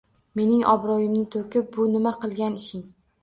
Mening obro‘yimni to‘kib bu nima qilgan ishing